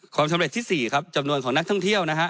ความสำเร็จที่๔ครับจำนวนของนักท่องเที่ยวนะฮะ